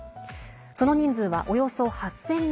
その人数は、およそ８０００人。